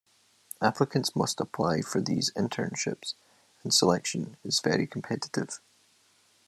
Applicants must apply for these internships, and selection is very competitive.